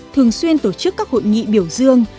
thường xuyên tổ chức các hội nghị biểu dương